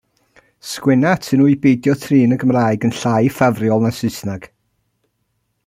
Sgwenna atyn nhw i beidio trin y Gymraeg yn llai ffafriol na Saesneg.